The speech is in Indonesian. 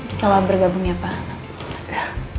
insya allah bergabung ya pak